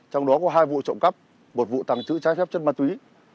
trong đó có hai vụ trộm cắp một vụ tàng trữ trái phép chất ma túy